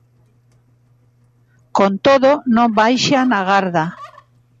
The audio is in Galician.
Con todo, non baixan a garda.